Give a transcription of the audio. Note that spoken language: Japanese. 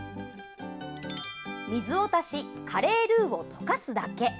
水を足しカレールーを溶かすだけ。